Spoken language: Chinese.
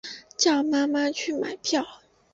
叫妈妈去买票